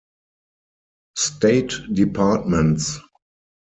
State Departments.